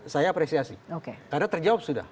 saya apresiasi karena terjawab sudah